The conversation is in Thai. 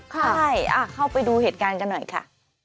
ใช่เข้าไปดูเหตุการณ์กันหน่อยค่ะ